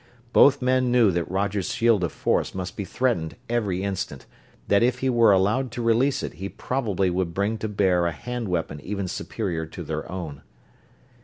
Both men knew that Roger's shield of force must be threatened every instant that if he were allowed to release it he probably would bring to bear a hand weapon even superior to their own.